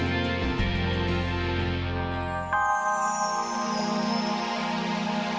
cepat kerjain dulu